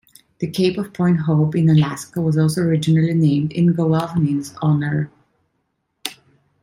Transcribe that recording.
The cape of Point Hope in Alaska was also originally named in Golovnin's honor.